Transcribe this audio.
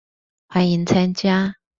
歡迎參加